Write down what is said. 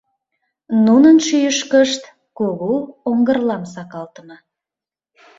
Нунын шӱйышкышт кугу оҥгырлам сакалтыме.